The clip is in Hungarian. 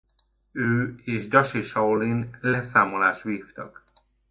Ő és Dashi Saolin leszámolást vívtak.